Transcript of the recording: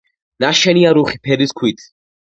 ნაშენია რუხი ფერის ქვით.